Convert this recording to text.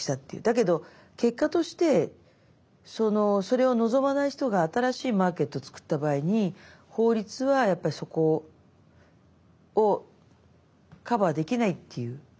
だけど結果としてそれを望まない人が新しいマーケットを作った場合に法律はやっぱりそこをカバーできないっていう懸念もありますよね。